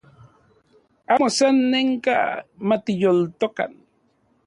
Ano sanenka matiyoltokan